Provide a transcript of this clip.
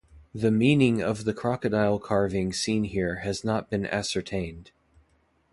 The meaning of the crocodile carving seen here has not been ascertained.